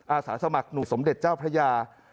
อาสาสมัครหนูสมเด็จเจ้าพระยา